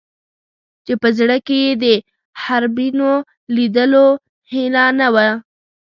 چې په زړه کې یې د حرمینو لیدلو هیله نه وي.